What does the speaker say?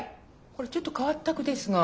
これちょっと変わった句ですが。